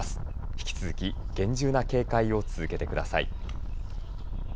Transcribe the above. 引き続き厳重な警戒を続けてください。